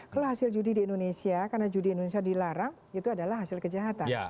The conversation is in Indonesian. kalau hasil judi di indonesia karena judi indonesia dilarang itu adalah hasil kejahatan